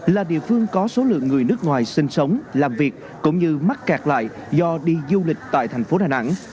là địa phương có số lượng người nước ngoài sinh sống làm việc cũng như mắc kẹt lại do đi du lịch tại thành phố đà nẵng